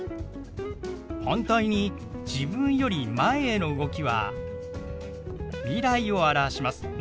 反対に自分より前への動きは未来を表します。